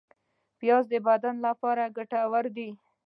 پیاز د بدن لپاره ګټور دی